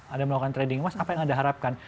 anda melakukan trading mas apa yang anda harapkan